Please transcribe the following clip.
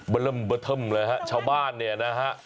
เบล่มเลยครับชาวบ้านเนี่ยนะฮะ